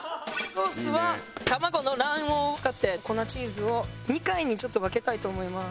ソースは卵の卵黄を使って粉チーズを２回にちょっと分けたいと思います。